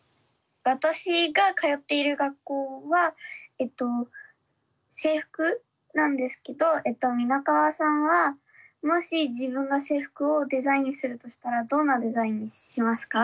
私が通っている学校は制服なんですけど皆川さんはもし自分が制服をデザインするとしたらどんなデザインにしますか？